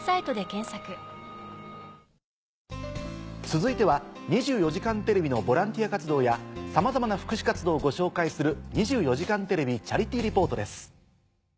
続いては『２４時間テレビ』のボランティア活動やさまざまな福祉活動をご紹介する。